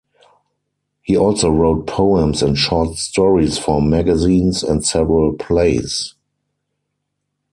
He also wrote poems and short stories for magazines and several plays.